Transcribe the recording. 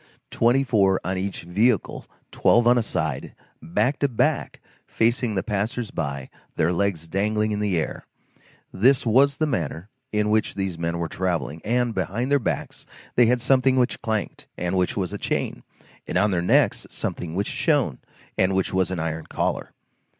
Twenty four on each vehicle, twelve on a side, back to back, facing the passers by, their legs dangling in the air,—this was the manner in which these men were travelling, and behind their backs they had something which clanked, and which was a chain, and on their necks something which shone, and which was an iron collar.